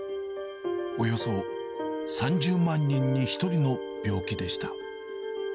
およそ３０万人に１人の病気でした。